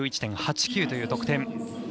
２１１．８９という得点。